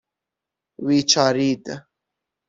ویچارید